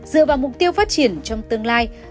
dựa vào mục tiêu phát triển trong tương lai